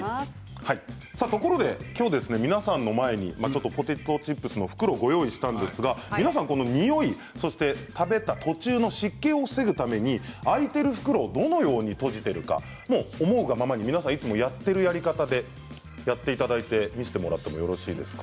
ところで、皆さんの前にポテトチップスの袋をご用意したんですがにおい、そして食べた途中の湿気を防ぐために開いてる袋をどのように閉じているのか思うがままにいつもやっているやり方でやっていただいて見せてもらってもよろしいですか。